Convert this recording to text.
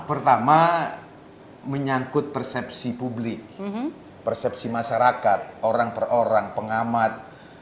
pertama menyangkut persepsi publik persepsi masyarakat orang per orang pengamat